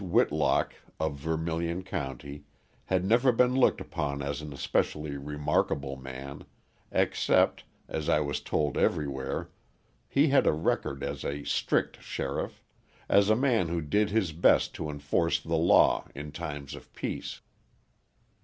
Whitlock of Vermilion County had never been looked upon as an especially remarkable man except, as I was told everywhere, he had a record as a strict sheriff, as a man who did his best to enforce the law in times of peace.